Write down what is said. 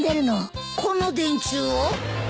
この電柱を？